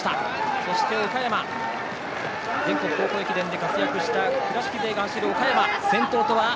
そして、全国高校駅伝で活躍した倉敷勢が走る岡山。